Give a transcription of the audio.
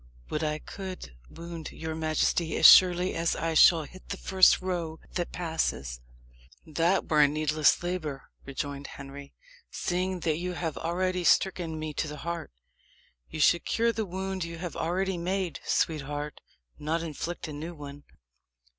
"Would I could wound your majesty as surely as I shall hit the first roe that passes." "That were a needless labour," rejoined Henry, "seeing that you have already stricken me to the heart. You should cure the wound you have already made, sweetheart not inflict a new one."